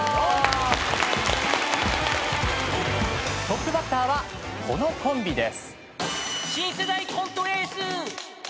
トップバッターはこのコンビです。